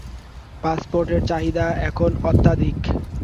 পাসপোর্টের চাহিদা এখন অত্যাধিক।